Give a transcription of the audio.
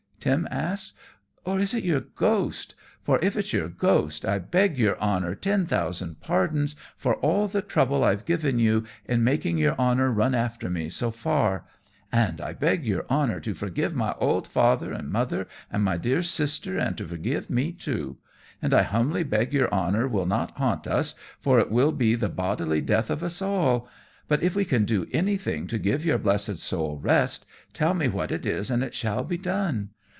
Tim asked; "or is it your ghost? For if it's your ghost I beg your honor ten thousand pardons for all the trouble I've given you, in making your honor run after me so far. And I beg your honor to forgive my auld father and mother, and my dear sister, and to forgive me too. And I humbly beg your honor will not haunt us, for it will be the bodily death of us all; but if we can do anything to give your blessid soul rest, tell me what it is and it shall be done.